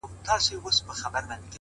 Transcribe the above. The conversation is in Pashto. هره ناکامي د بیا پیل فرصت دی؛